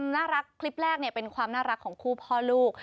น่ารักคลิปแรกเป็นความน่ารักของคู่พ่อลูก